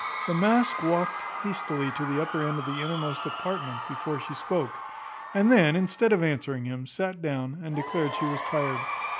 The mask walked hastily to the upper end of the innermost apartment before she spoke; and then, instead of answering him, sat down, and declared she was tired.